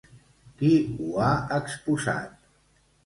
Qui ho ha exposat?